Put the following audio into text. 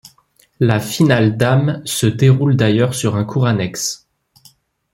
La finale dame se déroule d'ailleurs sur un court annexe.